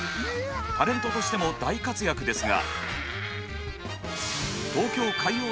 タレントとしても大活躍ですが。